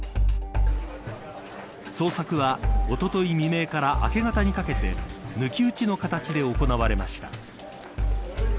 捜索は、おととい未明から明け方にかけて抜き打ちの形で行われました。